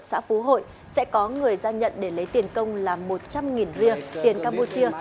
xã phú hội sẽ có người ra nhận để lấy tiền công là một trăm linh ria tiền campuchia